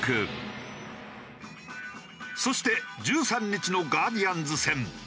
そして１３日のガーディアンズ戦。